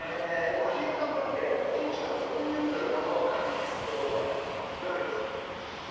秋広さんから見て、この人のこういう部分のＮｏ．１、勝てないなと思うのは、なんかあります？